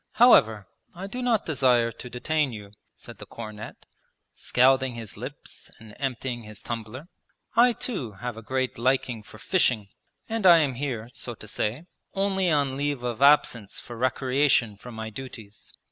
'However, I do not desire to detain you,' said the cornet, scalding his lips and emptying his tumbler. 'I too have a great liking for fishing, and I am here, so to say, only on leave of absence for recreation from my duties.